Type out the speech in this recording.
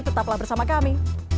tetaplah bersama kami